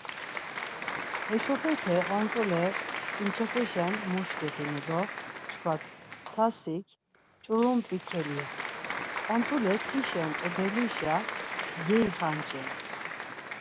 Heşopete ont̆ule ǩinçepeşen muşletinu do çkva tasik ç̌urump̌i keliğu, ont̆ule tişen ǩudelişa geixanç̌enu.